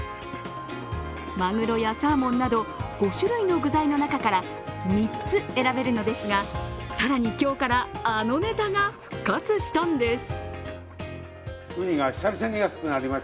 マグロやサーモンなど５種類の具材の中から３つ選べるのですが、更に今日からあのネタが復活したんです。